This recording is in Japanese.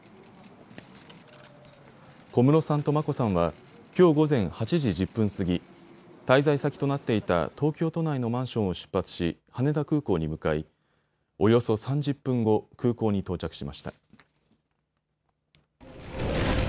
小室さんと眞子さんはきょう午前８時１０分過ぎ、滞在先となっていた東京都内のマンションを出発し羽田空港に向かいおよそ３０分後、空港に到着しました。